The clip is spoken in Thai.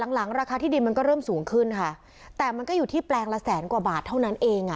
หลังหลังราคาที่ดินมันก็เริ่มสูงขึ้นค่ะแต่มันก็อยู่ที่แปลงละแสนกว่าบาทเท่านั้นเองอ่ะ